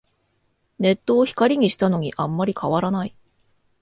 ネットを光にしたのにあんまり変わらない